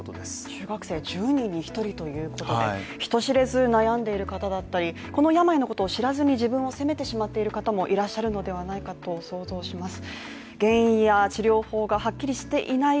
中学生１０人に１人ということで、人知れず悩んでいる方だったり、この病のことを知らずに自分を責めてしまっている方もいらっしゃるのではないかと想像します。